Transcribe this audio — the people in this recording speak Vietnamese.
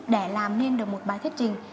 để làm lên được một bài thiết trình